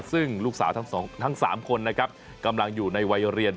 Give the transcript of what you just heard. ซึ่งลูกสาวทั้ง๓คนนะครับกำลังอยู่ในวัยเรียน